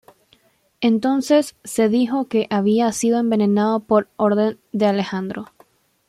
Entonces se dijo que había sido envenenado por orden de Alejandro.